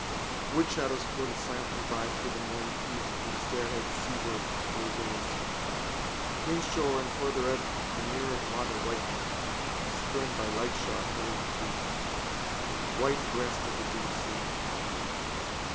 Woodshadows floated silently by through the morning peace from the stairhead seaward where he gazed. Inshore and farther out the mirror of water whitened, spurned by lightshod hurrying feet. White breast of the dim sea.